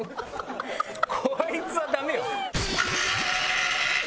「こいつ」はダメよ。